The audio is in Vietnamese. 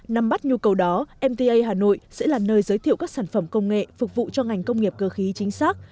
năm bắt nhu cầu đó mta hà nội sẽ là nơi giới thiệu các sản phẩm công nghệ phục vụ cho ngành công nghiệp cơ khí chính xác